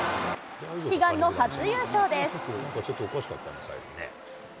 悲願の初優勝です。